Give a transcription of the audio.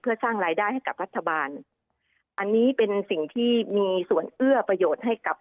เพื่อสร้างรายได้ให้กับรัฐบาลอันนี้เป็นสิ่งที่มีส่วนเอื้อประโยชน์ให้กับ